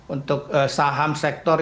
untuk saham sektor